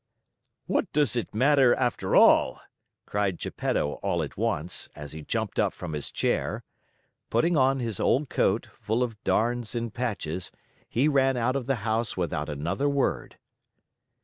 "What does it matter, after all?" cried Geppetto all at once, as he jumped up from his chair. Putting on his old coat, full of darns and patches, he ran out of the house without another word.